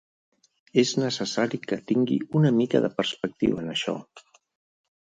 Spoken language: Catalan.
És necessari que tingui una mica de perspectiva en això.